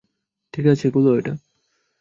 ঠিক আছে, খোল এটা।